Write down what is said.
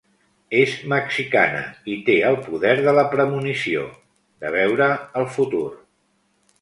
És mexicana i té el poder de la premonició, de veure el futur.